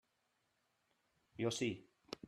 Jo sí.